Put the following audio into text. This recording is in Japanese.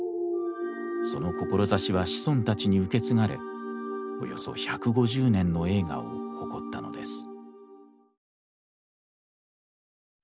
その志は子孫たちに受け継がれおよそ１５０年の栄華を誇ったのです。